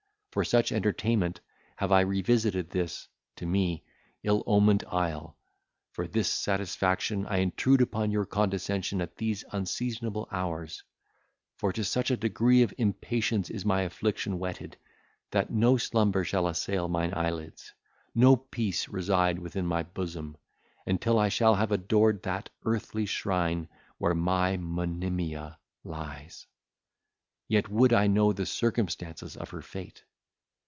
For such entertainment have I revisited this (to me) ill omened isle; for this satisfaction I intrude upon your condescension at these unseasonable hours; for to such a degree of impatience is my affliction whetted, that no slumber shall assail mine eyelids, no peace reside within my bosom, until I shall have adored that earthly shrine where my Monimia lies! Yet would I know the circumstances of her fate.